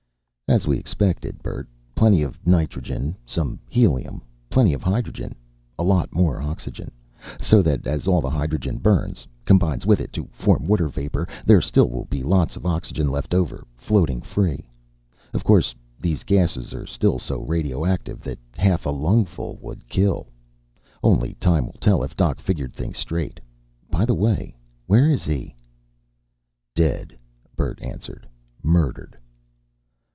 "As was expected, Bert. Plenty of nitrogen. Some helium. Plenty of hydrogen. A lot more oxygen. So that, as all of the hydrogen burns combines with it to form water vapor there still will be lots of oxygen left over, floating free. Of course these gases are still so radioactive that half a lungful would kill. Only time will tell if Doc figured things straight. By the way, where is he?" "Dead," Bert answered. "Murdered."